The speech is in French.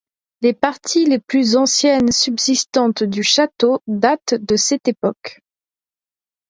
Les parties les plus anciennes subsistantes du château datent de cette époque.